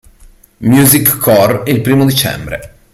Music Core il primo dicembre.